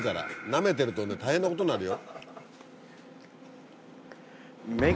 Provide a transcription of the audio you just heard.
ナメてるとね大変なことになるよ。